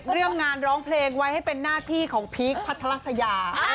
เรื่องงานร้องเพลงไว้ให้เป็นหน้าที่ของพีคพัทรัสยา